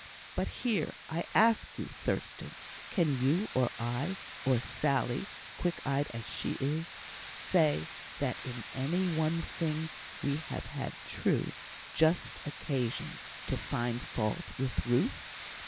But here I ask you, Thurstan, can you, or I, or Sally (quick eyed as she is), say, that in any one thing we have had true, just occasion to find fault with Ruth?